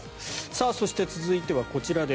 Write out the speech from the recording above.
そして、続いてはこちら。